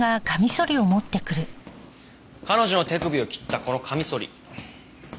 彼女の手首を切ったこのカミソリ。